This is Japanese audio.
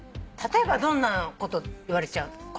例えばどんなこと言われちゃうの？